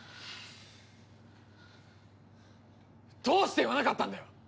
どうして言わなかったんだよ！